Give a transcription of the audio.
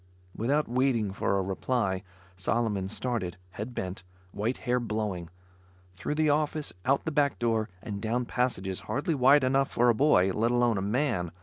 Without waiting for a reply, Solomon started, head bent, white hair blowing; through the office, out the back door and down passages hardly wide enough for a boy, let alone a man.